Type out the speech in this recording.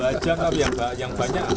beliau aja yang banyak